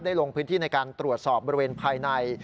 ลงพื้นที่ในการตรวจสอบบริเวณภายใน